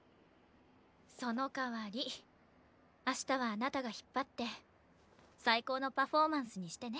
そのかわり明日はあなたが引っ張って最高のパフォーマンスにしてね。